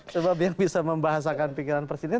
sebab yang bisa membahasakan pikiran presiden